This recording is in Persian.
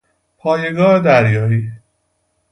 پایگاه دریایی